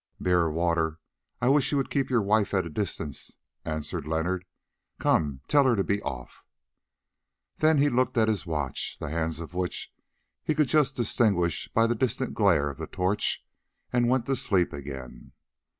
"Beer or water, I wish you would keep your wife at a distance," answered Leonard; "come, tell her to be off." Then he looked at his watch, the hands of which he could just distinguish by the distant glare of the torch, and went to sleep again.